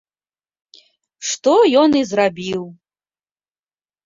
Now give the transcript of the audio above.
Што ён і зрабіў.